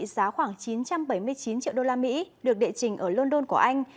giá khoảng chín trăm bảy mươi chín triệu đô la mỹ được địa chỉnh ở london của anh